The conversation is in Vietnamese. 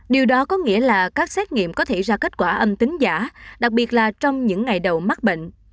điều đó có nghĩa là các xét nghiệm có thể ra kết quả âm tính giả đặc biệt là trong những ngày đầu mắc bệnh